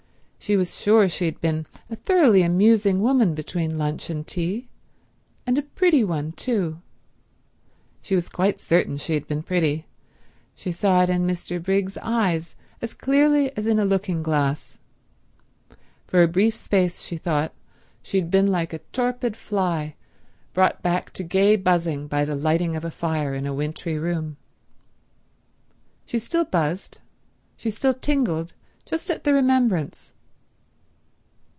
She was sure she had been a thoroughly amusing woman between lunch and tea, and a pretty one too. She was quite certain she had been pretty; she saw it in Mr. Briggs's eyes as clearly as in a looking glass. For a brief space, she thought, she had been like a torpid fly brought back to gay buzzing by the lighting of a fire in a wintry room. She still buzzed, she still tingled, just at the remembrance.